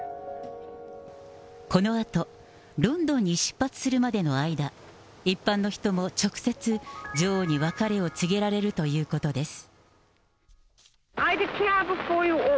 このあと、ロンドンに出発するまでの間、一般の人も直接、女王に別れを告げられるということです。